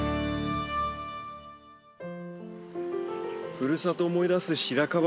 ふるさとを思い出すシラカバ